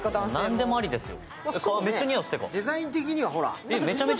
何でもありですよ。